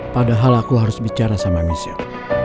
padahal aku harus bicara sama miss young